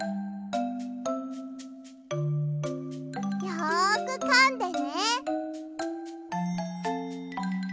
よくかんでね。